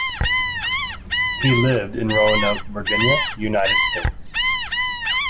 He lived in Roanoke, Virginia, United States.